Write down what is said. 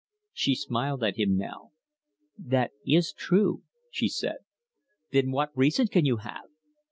She smiled at him now. "That is true," she said. "Then what reason can you have?